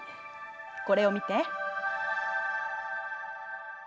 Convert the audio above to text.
これを見て。